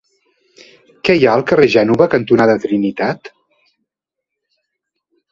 Què hi ha al carrer Gènova cantonada Trinitat?